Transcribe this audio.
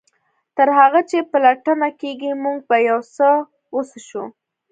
تر هغه چې پلټنه کیږي موږ به یو څه وڅښو